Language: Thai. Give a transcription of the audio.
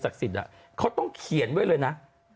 เพราะต้องเขียนได้เลยนะ